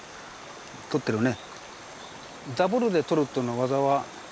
捕ってるね。